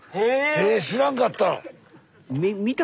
え知らんかった！